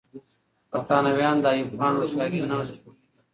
برتانويان د ایوب خان هوښیاري نه پوهېږي.